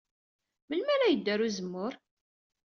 Melmi ara yeddu ɣer uzemmur?